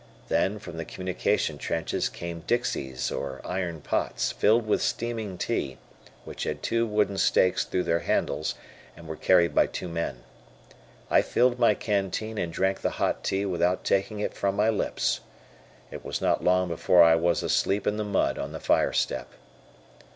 Then from the communication trenches came dixies or iron pots, filled with steaming tea, which had two wooden stakes through their handles, and were carried by two men. I filled my canteen and drank the hot tea without taking it from my lips. It was not long before I was asleep in the mud on the fire step.